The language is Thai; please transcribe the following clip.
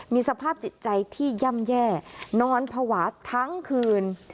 มีสภาพจิตใจที่ย่ำแย่นอนภาวะทั้งคืน